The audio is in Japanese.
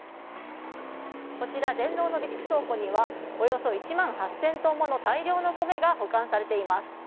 こちら全農の備蓄倉庫にはおよそ１万８０００トンもの大量の米が保管されています。